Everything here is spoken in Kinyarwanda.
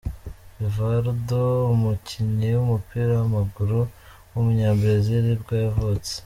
Rivaldo, umukinnyi w’umupira w’amaguru w’umunyabrazil ibwo yavutse.